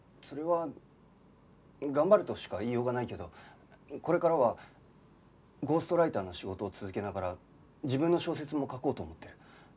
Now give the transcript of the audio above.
それは頑張るとしか言いようがないけどこれからはゴーストライターの仕事を続けながら自分の小説も書こうと思ってる。